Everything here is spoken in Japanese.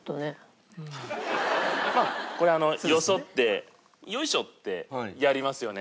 これよそってよいしょってやりますよね。